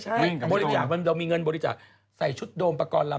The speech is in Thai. ชั้นขอให้เธอใส่ชุดโดมประกอบสัยชุดโดมปากรรม